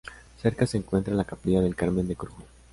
Cerca se encuentra la capilla del Carmen de Corujo.